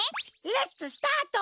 レッツスタート！